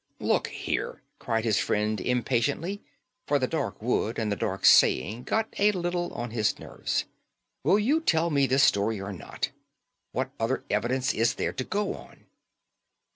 "Look here," cried his friend impatiently, for the dark wood and the dark saying got a little on his nerves; "will you tell me this story or not? What other evidence is there to go on?"